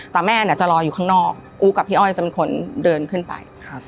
แต่แม่เนี่ยจะรออยู่ข้างนอกอู๊กับพี่อ้อยจะเป็นคนเดินขึ้นไป